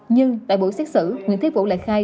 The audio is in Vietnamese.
nhưng tại buổi xét xử nguyễn thế vũ lại khai